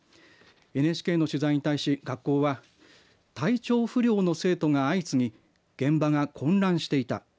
ＮＨＫの取材に対し学校は体調不良の生徒が相次ぎ現場が混乱していた。